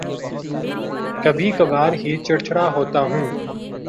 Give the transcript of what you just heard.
کبھی کبھار ہی چڑچڑا ہوتا ہوں